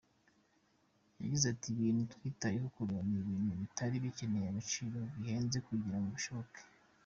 Yagize ati “Ibintu twitayeho kureba ni ibintu bitari bikeneye igiciro gihenze kugira ngo bishoboke.